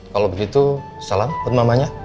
kalau begitu salam buat mamanya